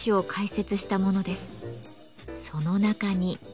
その中に。